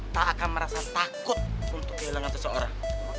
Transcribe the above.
tak akan merasa takut untuk kehilangan seseorang